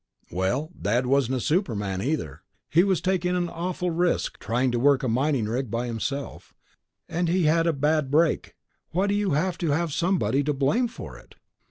"Well, Dad wasn't a superman, either. He was taking an awful risk, trying to work a mining rig by himself, and he had a bad break. Why do you have to have somebody to blame for it?"